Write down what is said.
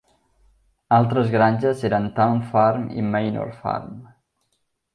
Altres granges eren Town Farm i Manor Farm.